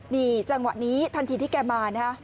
นี่จังหวะนี้ทันทีที่แกมานะ